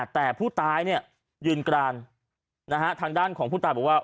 แต่ผู้ตายเนี่ยยืนกรานทางด้านของผู้ตายบอกว่า